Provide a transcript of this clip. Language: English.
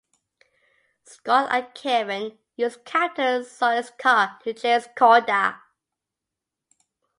Scott and Kevin use Captain Solis's car to chase Korda.